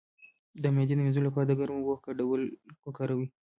د معدې د مینځلو لپاره د ګرمو اوبو ګډول وکاروئ